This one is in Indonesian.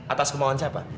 atas kemauan siapa